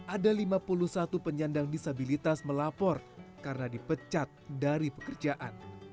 ada lima puluh satu penyandang disabilitas melapor karena dipecat dari pekerjaan